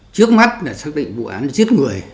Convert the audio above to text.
trước mắt là xác định vụ án giết người